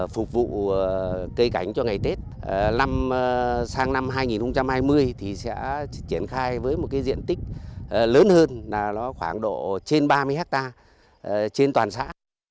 phục vụ cây cảnh cho ngày tết sang năm hai nghìn hai mươi thì sẽ triển khai với một cái diện tích lớn hơn là khoảng độ trên ba mươi hectare trên toàn xã